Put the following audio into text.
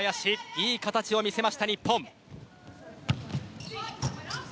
いい形を見せた日本。